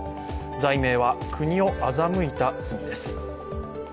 罪名は国を欺いた罪です。